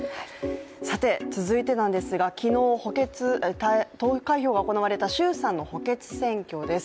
さて、続いてなんですが、昨日投開票が行われた衆参の補欠選挙です。